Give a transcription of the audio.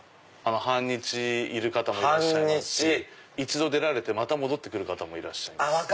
半日いる方もいらっしゃいますし１度出られてまた戻ってくる方いらっしゃいます。